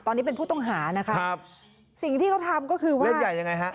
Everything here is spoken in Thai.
ตอนนี้เป็นผู้ต้องหานะคะครับสิ่งที่เขาทำก็คือว่าเล่นใหญ่ยังไงฮะ